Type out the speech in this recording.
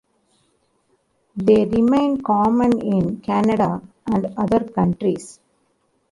They remain common in Canada and other countries.